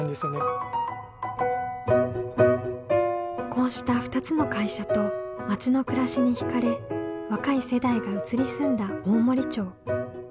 こうした２つの会社と町の暮らしに惹かれ若い世代が移り住んだ大森町。